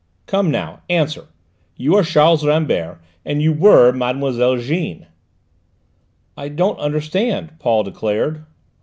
"Come now, answer! You are Charles Rambert, and you were Mademoiselle Jeanne?" "I don't understand," Paul declared.